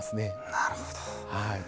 なるほど。